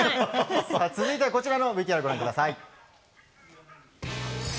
続いてはこちらのＶＴＲご覧ください。